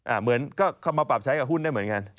เหมือนก็เข้ามาปรับใช้กับหุ้นได้เหมือนกัน